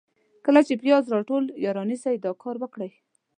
کله چي پیاز راټول یا رانیسئ ، دا کار وکړئ: